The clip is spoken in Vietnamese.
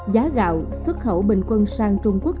giá gạo xuất khẩu bình quân sang trung quốc